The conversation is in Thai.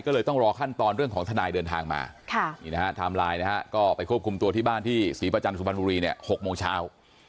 ก็เลยต้องรอขั้นตอนเรื่องของทนายเดินทางมา